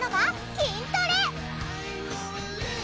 筋トレ？